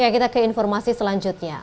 kita ke informasi selanjutnya